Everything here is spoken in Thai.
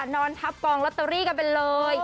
นอนทับกองลอตเตอรี่กันไปเลย